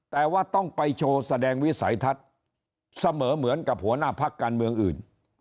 แต่ว่าต้องไปโชว์แสดงวิสัยทัศน์เสมอเหมือนกับหัวหน้าพักการเมืองอื่น